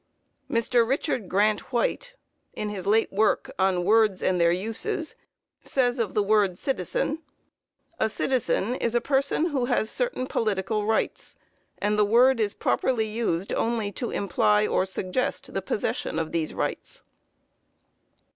Mr. Richard Grant White, in his late work on Words and their Uses, says of the word citizen: "A citizen is a person who has certain political rights, and the word is properly used only to imply or suggest the possession of these rights."